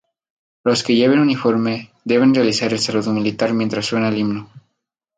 Los que lleven uniforme deben realizar el saludo militar mientras suena el himno.